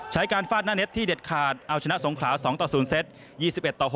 ใช้การฟาดหน้าเน็ตที่เด็ดขาดเอาชนะสงขลา๒๐เซ็ต